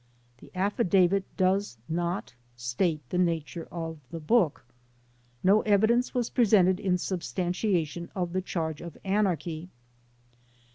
The affidavit does not state the nature of the book. No evidence was presented in substantiation of the charge of anarchy.